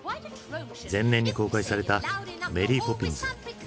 前年に公開された「メリー・ポピンズ」。